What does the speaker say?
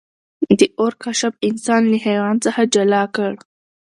د اور کشف انسان له حیوان څخه جلا کړ.